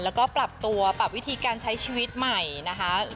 แล้วก็ปรับตัวปรับวิธีการใช้ชีวิตใหม่นะคะ